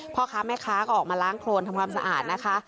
พ่อค้าแม่ค้าก็ออกมาล้างโครนทำความสะอาดนะคะ